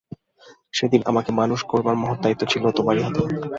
সেদিন আমাকে মানুষ করবার মহৎ দায়িত্ব ছিল তোমারই হাতে।